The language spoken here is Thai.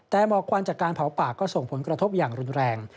แต่หมอกควันจากการเผาป่าก็ส่งผลกระทบอย่างรุนแรง